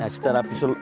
secara filosofi memang